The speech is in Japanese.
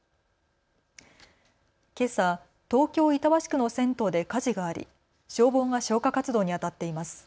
けさ東京板橋区の銭湯で火事があり消防が消火活動にあたっています。